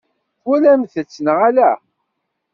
Twalamt-tt neɣ ala?